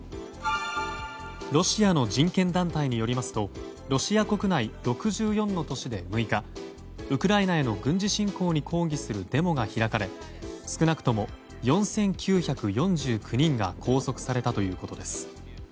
ロシアの人権団体によりますとロシア国内６４の都市で６日ウクライナへの軍事侵攻に抗議するデモが開かれ少なくとも４９４９人が拘束されたということです。